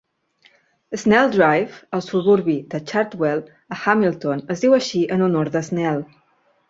Snell Drive, al suburbi de Chartwell, a Hamilton, es diu així en honor d'Snell.